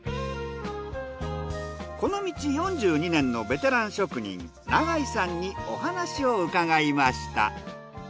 この道４２年のベテラン職人永井さんにお話を伺いました。